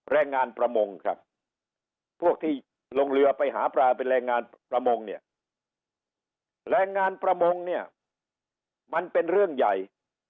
แรงงานประมงครับพวกที่ลงเรือไปหาปลาเป็นแรงงานประมงเนี่ยแรงงานประมงเนี่ยมันเป็นเรื่องใหญ่